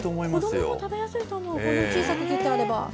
子どもも食べやすいと思う、こうやって小さく切ってあれば。